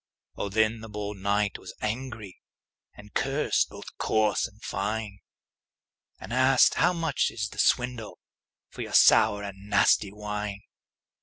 Oh, then the bold knight was angry, And cursed both coarse and fine; And asked, "How much is the swindle For your sour and nasty wine?"